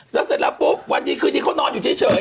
แล้วเสร็จแล้วปุ๊บวันดีคืนนี้เขานอนอยู่เฉย